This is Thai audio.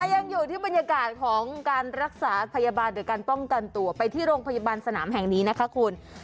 ยังอยู่ที่บรรยากาศของการรักษาพยาบาลหรือการป้องกันตัวไปที่โรงพยาบาลสนามแห่งนี้นะคะคุณ